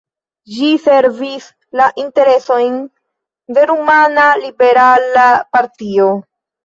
Ĝi servis la interesojn de rumana liberala partio.